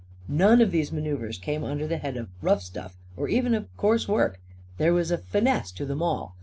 None of these manœuvres came under the head of "rough stuff" or even of "coarse work." There was a finesse to them all.